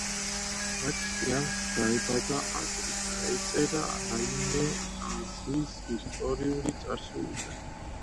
აქ იანს დაებადა აზრი, დაეწერა რამე აზიის ისტორიული წარსულიდან.